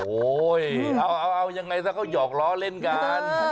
โอ้ยยังไงคะก็หยอกล้อเล่นกัน